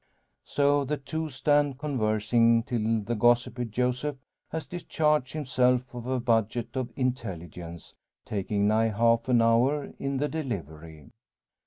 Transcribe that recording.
So the two stand conversing till the gossipy Joseph has discharged himself of a budget of intelligence, taking nigh half an hour in the delivery.